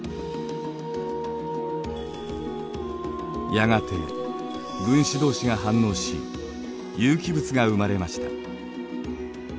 やがて分子同士が反応し有機物が生まれました。